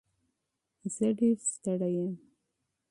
زه ډېر ستړی یم.